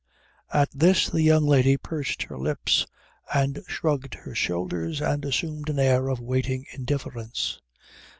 At this the young lady pursed her lips and shrugged her shoulders and assumed an air of waiting indifference.